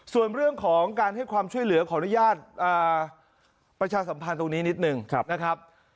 ส่วนเรื่องของการให้ความช่วยเหลือขออนุญาตประชาสัมพันธ์ตรงนี้นิดนึงนะครับ